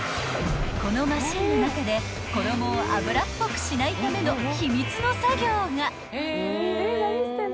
［このマシンの中で衣を油っぽくしないための秘密の作業が］